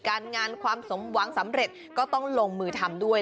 การงานความสมหวังสำเร็จก็ต้องลงมือทำด้วย